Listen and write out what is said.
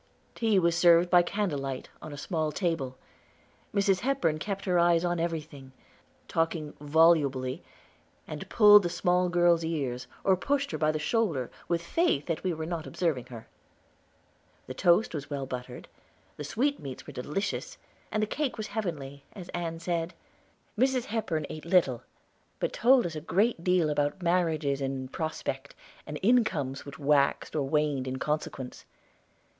Tea was served by candlelight, on a small table. Mrs. Hepburn kept her eyes on everything, talking volubly, and pulled the small, girl's ears, or pushed her by the shoulder, with faith that we were not observing her. The toast was well buttered, the sweetmeats were delicious, and the cake was heavenly, as Ann said. Mrs. Hepburn ate little, but told us a great deal about marriages in prospect and incomes which waxed or waned in consequence.